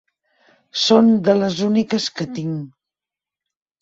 Són de les úniques que tinc…